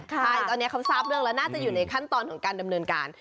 ใช่ตอนนี้เขาทราบเรื่องแล้วน่าจะอยู่ในขั้นตอนของการดำเนินการ